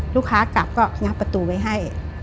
ลูกค้ากลับก็งับประตูไว้ให้